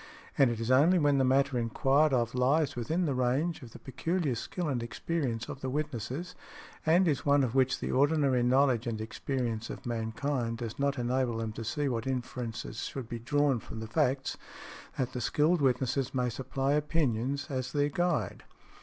And it is only when the matter inquired of lies within the range of the peculiar skill and experience of the witnesses, and is one of which the ordinary knowledge and experience of mankind does not enable them to see what inference should be drawn from the facts, that the skilled witnesses may supply opinions as their guide .